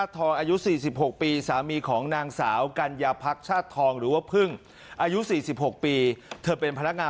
ที่ผ่านมาแล้วมาพบนะครับเป็นศพถูกเผา